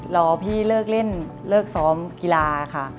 รอพี่เลิกเล่นเลิกซ้อมกีฬาค่ะ